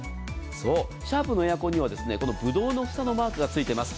シャープのエアコンにはブドウの房のマークがついています。